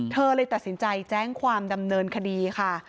เลยตัดสินใจแจ้งความดำเนินคดีค่ะ